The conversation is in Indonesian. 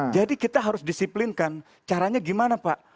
jadi kita harus disiplinkan caranya gimana pak